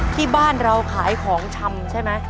ที่บ้านเราขายของชำใช่ไหม